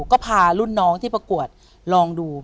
ก็พารุ่นน้องที่ประกวดลองดู